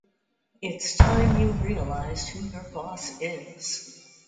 It’s time you realized who your boss is.